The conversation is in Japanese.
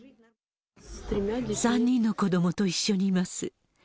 ３人の子どもと一緒にいます。